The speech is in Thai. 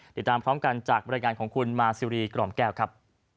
ติดตามพร้อมกันจากบรรยายงานของคุณมาซิรีกล่อมแก้วครับ